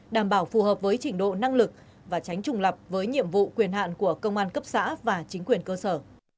đảm bảo phù hợp với trình độ năng lực và tránh trùng lập với nhiệm vụ quyền hạn của công an cấp xã và chính quyền cơ sở